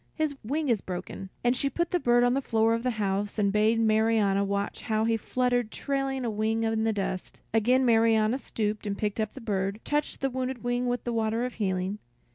His wing is broken." And she put the bird on the floor of the house and bade Marianna watch how he fluttered trailing a wing in the dust. Again Marianna stooped, and picking up the bird, touched the wounded wing with the water of healing.